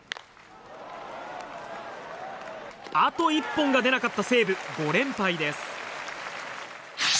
あと一本が出なかった西武。５連敗です。